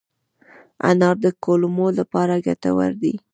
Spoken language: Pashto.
انار د کولمو لپاره ګټور دی.